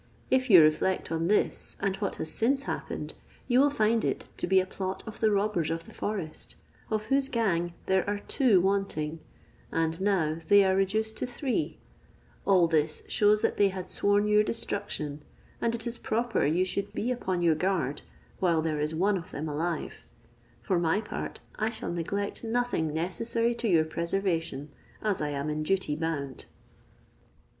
If you reflect on this, and what has since happened, you will find it to be a plot of the robbers of the forest, of whose gang there are two wanting, and now they are reduced to three: all this shews that they had sworn your destruction, and it is proper you should be upon your guard, while there is one of them alive: for my part I shall neglect nothing necessary to your preservation, as I am in duty bound."